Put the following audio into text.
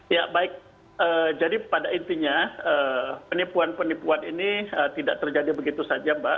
ya baik jadi pada intinya penipuan penipuan ini tidak terjadi begitu saja mbak